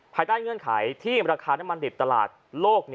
ภายใต้เงื่อนไขที่ราคาน้ำมันดิบตลาดโลก